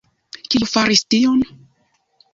Kiu faris tion?